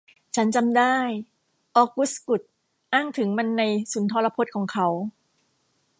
ฉันจำได้ ออกุสกุสอ้างถึงมันในสุนทรพจน์ของเขา